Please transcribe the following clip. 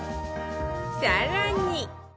さらに